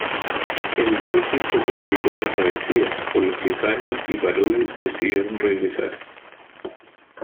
El mal tiempo complicó la travesía, por lo que Zanni y Parodi decidieron regresar.